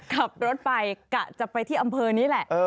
ขับรถไปกะจะไปที่อำเภอนี้แหละ